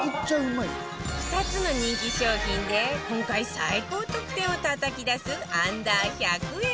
２つの人気商品で今回最高得点をたたき出す Ｕ−１００ 円